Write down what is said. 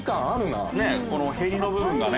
このへりの部分がね